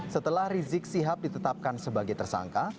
setelah rizik sihab ditetapkan sebagai tersangka